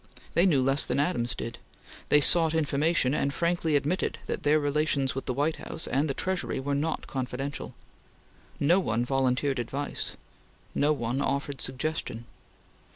They knew less than Adams did; they sought information, and frankly admitted that their relations with the White House and the Treasury were not confidential. No one volunteered advice. No one offered suggestion.